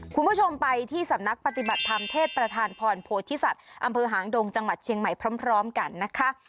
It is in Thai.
คุณผู้ชมไปที่สำนักปฏิบัติธรรมเทพประธานพรโพธิสัตว์อำเภอหางดงจังหวัดเชียงใหม่พร้อมกันนะคะ